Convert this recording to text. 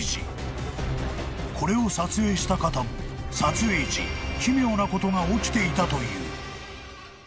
［これを撮影した方も撮影時奇妙なことが起きていたという］